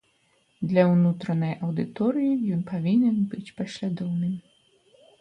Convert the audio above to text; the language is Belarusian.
Для ўнутранай аўдыторыі ён павінен быць паслядоўным.